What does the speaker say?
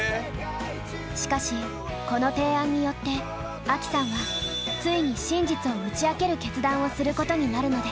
しかしこの提案によってアキさんはついに真実を打ち明ける決断をすることになるのです。